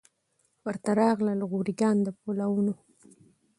ورته راغلل غوري ګان د پولاوونو